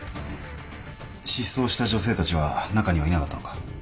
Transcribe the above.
失踪した女性たちは中にはいなかったのか？